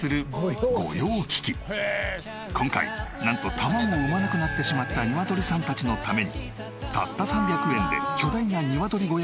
今回なんと卵を産まなくなってしまったニワトリさんたちのためにたった３００円で巨大なニワトリ小屋を手作り。